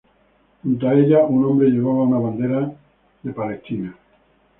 Junto a ella, un hombre llevaba una bandera de Israel.